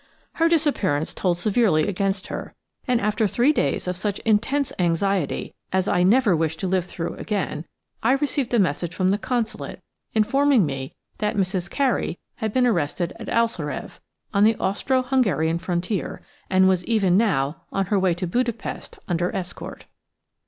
Her disappearance told severely against her, and after three days of such intense anxiety as I never wish to live through again, I received a message from the Consulate informing me that "Mrs. Carey " had been arrested at Alsórév, on the Austro Hungarian frontier, and was even now on her way to Budapest under escort.